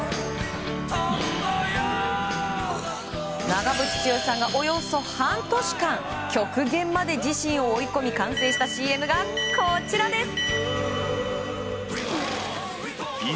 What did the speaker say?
長渕剛さんがおよそ半年間極限まで自身を追い込み完成したＣＭがこちらです。